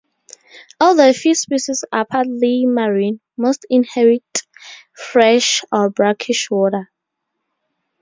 Although a few species are partly marine, most inhabit fresh or brackish water.